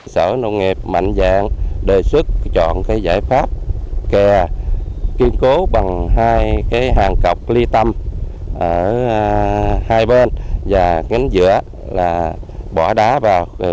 sở nông nghiệp mạnh dạng đề xuất chọn giải pháp kè kiên cố bằng hai hàng cọc ly tâm ở hai bên và cánh giữa là bỏ đá vào